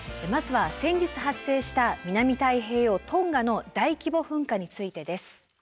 まずは先日発生した南太平洋トンガの大規模噴火についてです。